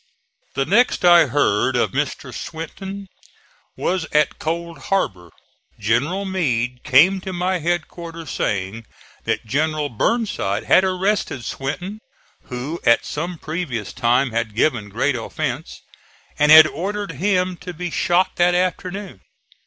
The next I heard of Mr. Swinton was at Cold Harbor. General Meade came to my headquarters saying that General Burnside had arrested Swinton, who at some previous time had given great offence, and had ordered him to be shot that afternoon.